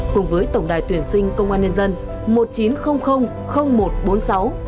cùng với tổng đài tuyển sinh công an nhân dân một nghìn chín trăm linh một trăm bốn mươi sáu